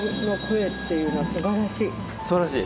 素晴らしい？